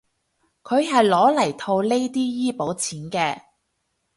佢係攞嚟套呢啲醫保錢嘅